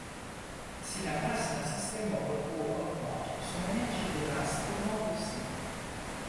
Si la masse d'un système au repos augmente, son énergie de masse augmente aussi.